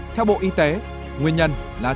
theo bộ y tế nguyên nhân là